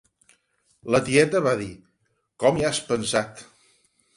La tieta va dir: —Com hi has pensat!